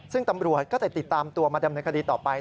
ซึ่งตำรวจก็จะติดตามตัวมาดำเนินคดีต่อไป